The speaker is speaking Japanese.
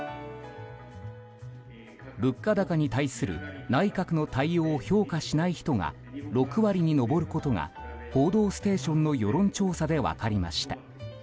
物価高に対する内閣の対応を評価しない人が６割に上ることが「報道ステーション」の世論調査で分かりました。